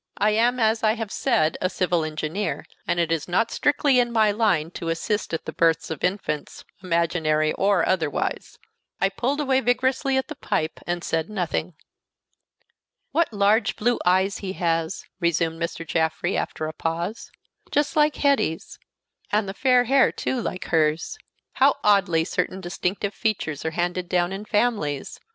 I am, as I have said, a civil engineer, and it is not strictly in my line to assist at the births of infants, imaginary or otherwise. I pulled away vigorously at the pipe, and said nothing. "What large blue eyes he has," resumed Mr. Jaffrey, after a pause; "just like Hetty's; and the fair hair, too, like hers. How oddly certain distinctive features are handed down in families!